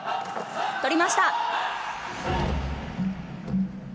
とりました！